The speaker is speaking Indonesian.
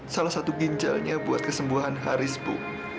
salah satu ginjalnya buat kesembuhan haris bu